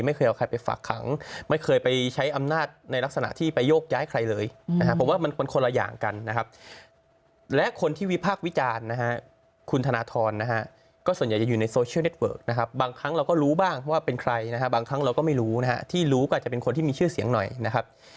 ไม่เคยเอาใครไปฝักขังไม่เคยไปใช้อำนาจในลักษณะที่ไปโยกย้ายใครเลยนะฮะ